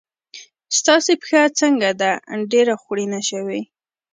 ستاسې پښه څنګه ده؟ ډېره خوړینه شوې.